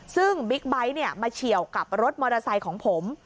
ซึ่งบิ๊กไบท์มาเฉียวกับรถมอเตอร์ไซค์ของผม